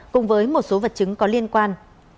cùng với một số vật chứng có liên quan